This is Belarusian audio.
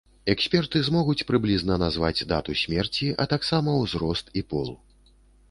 Эксперты змогуць прыблізна назваць дату смерці, а таксама узрост і пол.